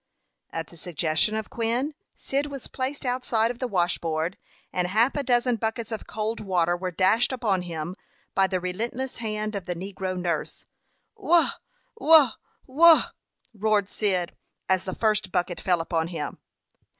At the suggestion of Quin, Cyd was placed outside of the washboard, and half a dozen buckets of cold water were dashed upon him by the relentless hand of the negro nurse. "Wha wha wha " roared Cyd, as the first bucket fell upon him.